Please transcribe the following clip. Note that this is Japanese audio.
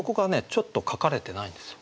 ちょっと書かれてないんですよ。